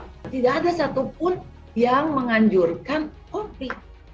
tidak ada satupun yang menganjurkan kopi